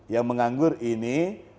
yang menganggur ini